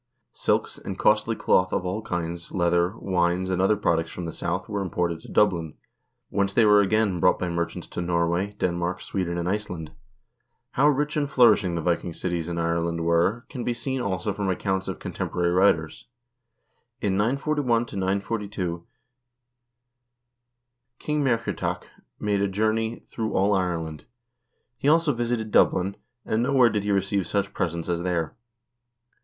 Silks, and costly cloth of all kinds, leather, wines, and other products from the South were imported to Dublin, whence they were again brought by merchants to Norway, Denmark, Sweden, and Iceland. How rich and flourishing the Vi king cities in Ireland were can be seen also from accounts of contem porary writers. In 941 942 King Muirchertach made a journey through all Ireland; he also visited Dublin, and nowhere did he receive such presents as there.